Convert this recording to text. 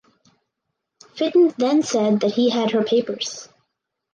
Fitton then said that he had her papers.